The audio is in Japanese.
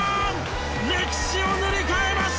歴史を塗り替えました！